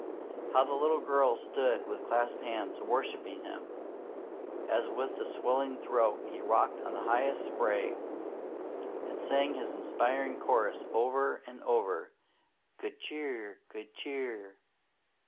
How the little girl stood with clasped hands worshipping him, as with swelling throat he rocked on the highest spray and sang his inspiring chorus over and over: "Good Cheer! Good Cheer!"